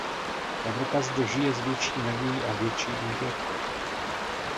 Evropa zde žije s větší nadějí a větší důvěrou.